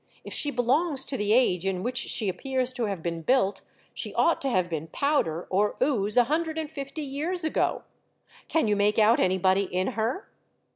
If she belongs to the age in which she appears to have been built she ought to have been powder or ooze a hundred and fifty years ago. Can you make out anybody in her?'